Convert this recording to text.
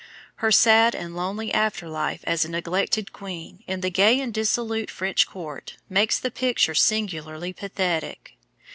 Her sad and lonely after life as a neglected queen, in the gay and dissolute French court, makes the picture singularly pathetic.